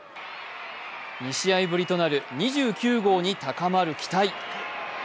２試合ぶりとなる２９号に高まる期待。